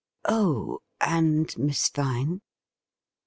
211 'Oh! And Miss Vine?'